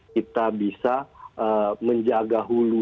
kita bisa menjaga hulunya